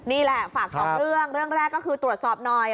เมื่อแรกก็คือตรวจสอบหน่อย